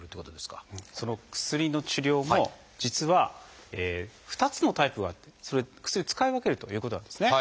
その薬の治療も実は２つのタイプがあって薬を使い分けるということなんですね。